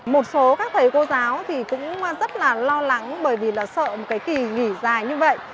một số các thầy cô giáo thì cũng rất là lo lắng bởi vì là sợ một cái kỳ nghỉ dài như vậy